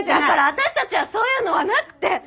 だから私たちはそういうのはなくて。